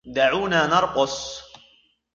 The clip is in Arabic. دعونا نرقص.